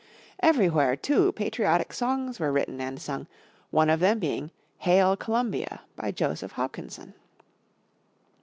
Everywhere, too, patriotic songs were written and sung, one of them being, "Hail Columbia," by Joseph Hopkinson.